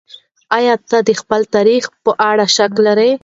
ايا ته د خپل تاريخ په اړه شک لرې؟